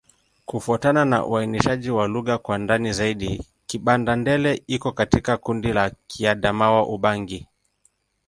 Kufuatana na uainishaji wa lugha kwa ndani zaidi, Kibanda-Ndele iko katika kundi la Kiadamawa-Ubangi.